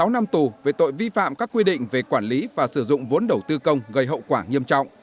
sáu năm tù về tội vi phạm các quy định về quản lý và sử dụng vốn đầu tư công gây hậu quả nghiêm trọng